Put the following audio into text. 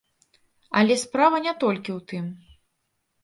Але справа не толькі ў тым.